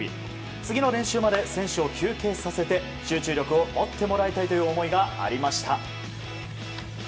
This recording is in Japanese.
次の練習まで選手を休憩させて集中力を保ってもらいたいという思いがありました。